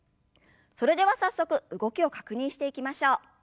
それでは早速動きを確認していきましょう。